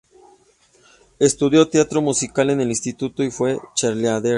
Estudió teatro musical en el instituto y fue cheerleader.